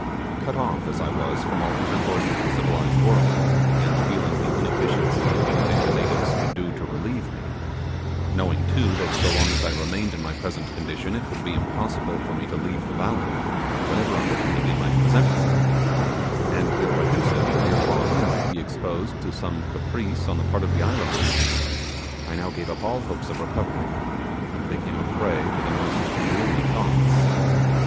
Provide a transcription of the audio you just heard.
Cut off as I was from all intercourse with the civilized world, and feeling the inefficacy of anything the natives could do to relieve me; knowing, too, that so long as I remained in my present condition, it would be impossible for me to leave the valley, whatever opportunity might present itself; and apprehensive that ere long we might be exposed to some caprice on the part of the islanders, I now gave up all hopes of recovery, and became a prey to the most gloomy thoughts.